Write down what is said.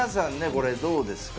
これどうですか？